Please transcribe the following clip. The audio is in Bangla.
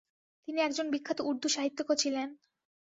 তিনি একজন বিখ্যাত উর্দূ সাহিত্যিক ও ছিলেন।